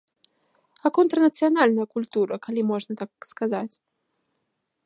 А контрнацыянальная культура, калі можна так сказаць?